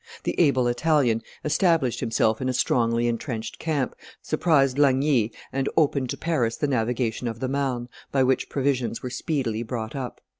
The able Italian established himself in a strongly intrenched camp, surprised Lagny, and opened to Paris the navigation of the Marne, by which provisions were speedily brought up.